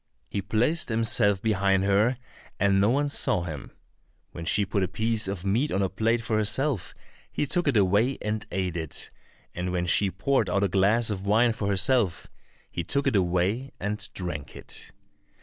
He placed himself behind her, and no one saw him. When she put a piece of meat on a plate for herself, he took it away and ate it, and when she poured out a glass of wine for herself, he took it away and drank it.